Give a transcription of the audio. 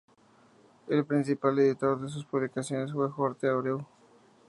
El principal editor de sus publicaciones fue Jorge de Abreu.